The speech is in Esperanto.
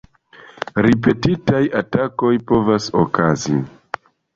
Ripetitaj atakoj povas okazi.